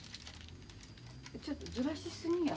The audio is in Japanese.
ちょっとずらし過ぎや。